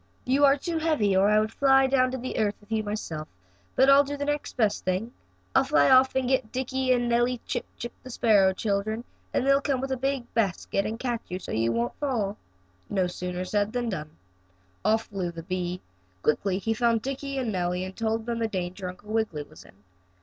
You are too heavy, or I would fly down to earth with you myself, but I'll do the next best thing. I'll fly off and get Dickie and Nellie Chip Chip, the sparrow children, and they'll come with a big basket and catch you so you won't fall." No sooner said than done. Off flew the bee. Quickly he found Dickie and Nellie and told them the danger Uncle Wiggily was in.